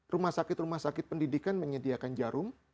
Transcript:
rumah sakit rumah sakit pendidikan menyediakan jarum